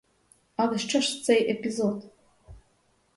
Але що ж цей епізод?